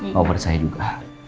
kalau pada saya juga